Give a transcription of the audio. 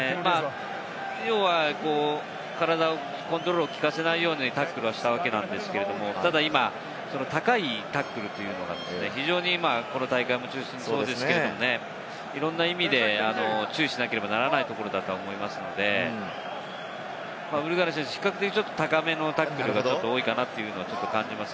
要は体のコントロールを効かせないようにタックルしたわけなんですけれども、高いタックルというのが非常にこの大会もそうですけれども、いろんな意味で注意しなければならないところだと思いますので、ウルグアイの選手は比較的高めのタックルが多いかなというのを感じます。